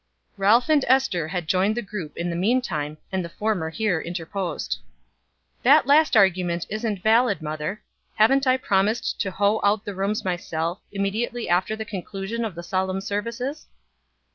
Ralph and Ester had joined the group in the meantime, and the former here interposed. "That last argument isn't valid, mother. Haven't I promised to hoe out the rooms myself, immediately after the conclusion of the solemn services?"